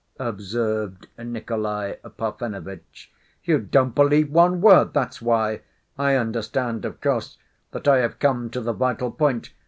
observed Nikolay Parfenovitch. "You don't believe one word—that's why! I understand, of course, that I have come to the vital point.